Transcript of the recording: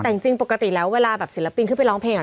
แต่จริงปกติแล้วเวลาแบบศิลปินขึ้นไปร้องเพลง